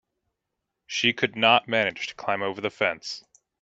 She could not manage to climb over the fence.